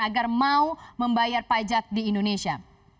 agar mau membayar pajak di indonesia